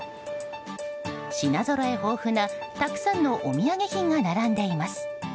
品ぞろえ豊富な、たくさんのお土産品が並んでいます。